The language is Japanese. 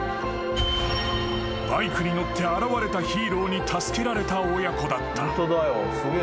［バイクに乗って現れたヒーローに助けられた親子だった］